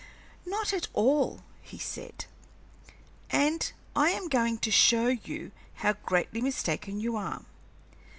"Not at all," said he, "and I am going to show you how greatly mistaken you are.